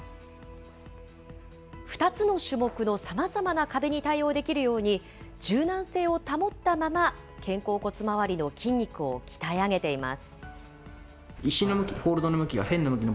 ２つの種目のさまざまな壁に対応できるように、柔軟性を保ったまま肩甲骨周りの筋肉を鍛え上げています。